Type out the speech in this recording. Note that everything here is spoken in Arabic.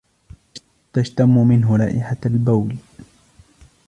تشتمّ منه رائحة البول.